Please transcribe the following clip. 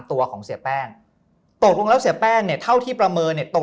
ตัวของเสียแป้งตกลงแล้วเสียแป้งเนี่ยเท่าที่ประเมินเนี่ยตรง